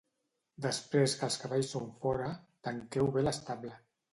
Després que els cavalls són fora, tanqueu bé l'estable.